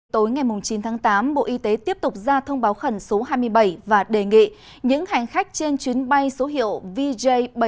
tối ngày chín tháng tám bộ y tế tiếp tục ra thông báo khẩn số hai mươi bảy và đề nghị những hành khách trên chuyến bay số hiệu vj bảy trăm bảy